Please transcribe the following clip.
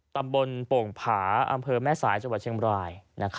ตำบลโป่งผาอำเภอแม่สายจังหวัดเชียงบราย